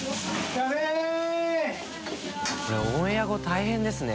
オンエア後大変ですね。